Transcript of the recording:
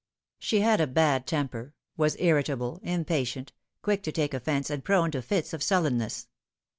She bad a bad temper ; was irritable, impatient, quick to take offence, and prone to fits of sullenness.